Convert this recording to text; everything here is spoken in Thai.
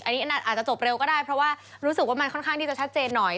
อันนี้อาจจะจบเร็วก็ได้เพราะว่ารู้สึกว่ามันค่อนข้างที่จะชัดเจนหน่อย